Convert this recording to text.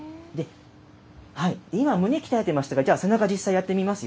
今、胸鍛えていましたが、じゃあ背中、実際やってみますよ。